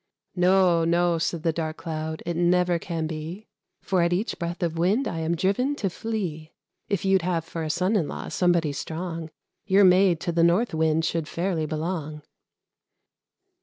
"No, No!" said the dark Cloud; "it never can be, For at each breath of wind I am driven to flee. If you'd have for a son in law somebody strong, Your Maid to the North Wind should fairly belong."